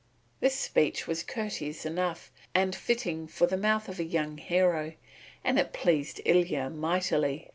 This speech was courteous enough and fitting for the mouth of a young hero, and it pleased Ilya mightily.